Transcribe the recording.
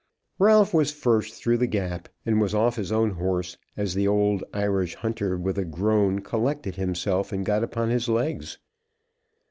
Ralph was first through the gap, and was off his own horse as the old Irish hunter, with a groan, collected himself and got upon his legs.